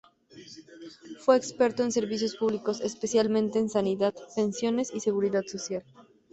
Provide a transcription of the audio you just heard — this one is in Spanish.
Fue experto en servicios públicos: especialmente en sanidad, pensiones y seguridad social.